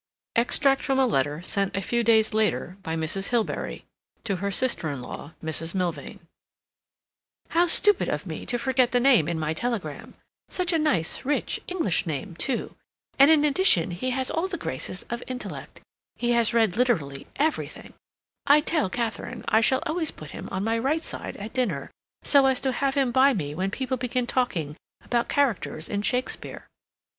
Extract from a letter sent a few days later by Mrs. Hilbery to her sister in law, Mrs. Milvain: "... How stupid of me to forget the name in my telegram. Such a nice, rich, English name, too, and, in addition, he has all the graces of intellect; he has read literally everything. I tell Katharine, I shall always put him on my right side at dinner, so as to have him by me when people begin talking about characters in Shakespeare.